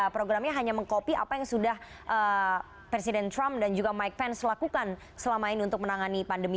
programnya hanya mengkopi apa yang sudah presiden trump dan juga mike pence lakukan selama ini untuk menangani pandemi